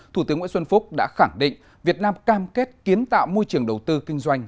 thủ tướng nguyễn xuân phúc đã khẳng định việt nam cam kết kiến tạo môi trường đầu tư kinh doanh